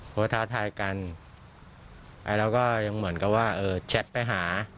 เพราะว่าท้าทายกันแล้วก็ยังเหมือนกับว่าแชทไปหา